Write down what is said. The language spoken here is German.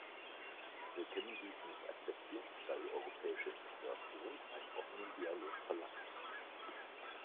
Wir können dies nicht akzeptieren, da die europäische Integration einen offenen Dialog verlangt.